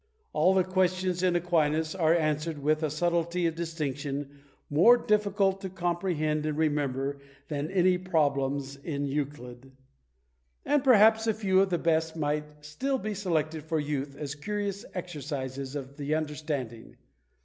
All the questions in Aquinas are answered with a subtlety of distinction more difficult to comprehend and remember than many problems in Euclid; and perhaps a few of the best might still be selected for youth as curious exercises of the understanding.